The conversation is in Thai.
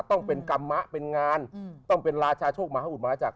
ต้องเป็นกรรมะเป็นงานต้องเป็นราชาโชคมหาอุตมาจักร